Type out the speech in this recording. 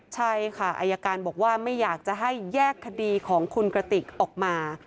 ใช่ค่ะอายการบอกว่าไม่อยากจะให้แยกคดีของคุณกระติกออกมา